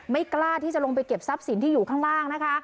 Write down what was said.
กล้าที่จะลงไปเก็บทรัพย์สินที่อยู่ข้างล่างนะคะ